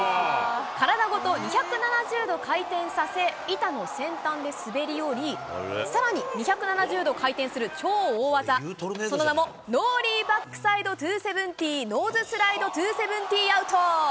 板の先端で滑り降り、さらに２７０度回転する超大技、その名も、ノーリーバックサイド２７０、ノーズスライド２７０アウト。